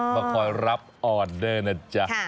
เพราะขอรับออร์เนอร์นะจ๊ะ